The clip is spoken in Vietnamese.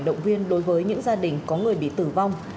động viên đối với những gia đình có người bị tử vong